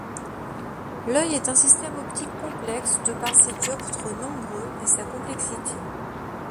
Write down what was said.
L’œil est un système optique complexe de par ses dioptres nombreux et sa complexité.